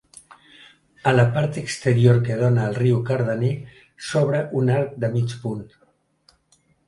A la part exterior que dóna al riu Cardener, s'obra un arc de mig punt.